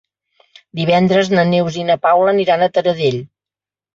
Divendres na Neus i na Paula aniran a Taradell.